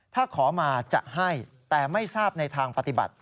ถ้าขอมาจะให้แต่ไม่ทราบในทางปฏิบัติ